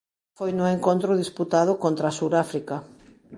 Foi no encontro disputado contra Suráfrica.